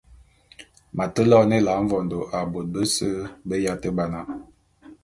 M’ate loene Ela mvondô a bôte bese be yate ba na.